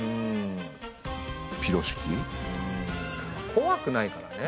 こわくないからね。